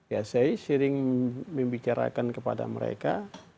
ya saya sering membicarakan kepada mereka